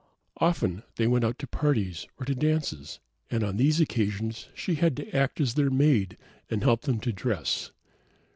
Often they went out to parties, or to dances, and on these occasions she had to act as their maid and help them to dress.